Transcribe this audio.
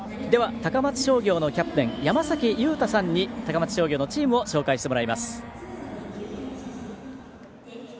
高松商業のキャプテン山崎悠矢さんに高松商業のチームを紹介してもらいます。